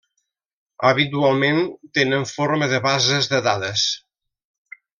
Habitualment tenen forma de bases de dades.